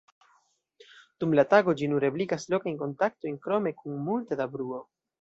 Dum la tago ĝi nur ebligas lokajn kontaktojn krome kun multe da bruo.